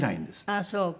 あっそうか。